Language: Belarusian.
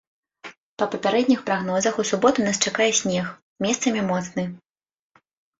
Па папярэдніх прагнозах у суботу нас чакае снег, месцамі моцны.